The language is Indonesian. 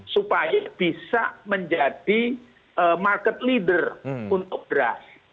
supaya bisa menjadi market leader untuk beras